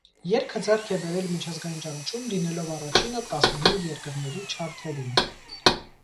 Երգը ձեռք է բերել միջազգային ճանաչում լինելով առաջինը տասնհինգ երկրների չարթերում։